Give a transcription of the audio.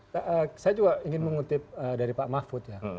saya juga ingin mengutip dari pak mahfud ya